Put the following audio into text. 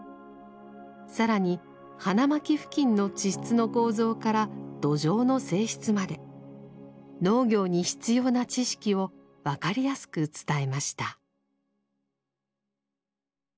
更に花巻付近の地質の構造から土壌の性質まで農業に必要な知識を分かりやすく伝えました。